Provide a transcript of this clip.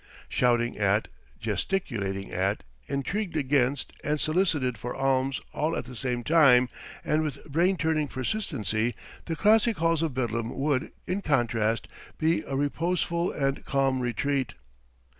Shouted at, gesticulated at, intrigued against and solicited for alms all at the same time, and with brain turning persistency, the classic halls of Bedlam would, in contrast, be a reposeful and calm retreat.